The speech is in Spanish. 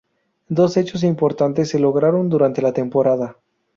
Dos hechos importantes se lograron durante la temporada.